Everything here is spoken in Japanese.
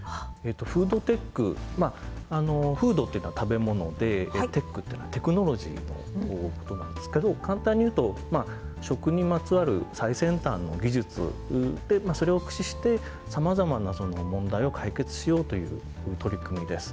フードテックまあフードっていうのは食べ物でテックっていうのはテクノロジーの事なんですけど簡単に言うと食にまつわる最先端の技術でそれを駆使して様々な問題を解決しようという取り組みです。